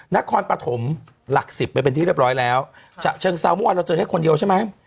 นครปฐมหลักสิบไปเป็นที่เรียบร้อยแล้วฉะเชิงเซาเมื่อวานเราเจอได้คนเดียวใช่ไหม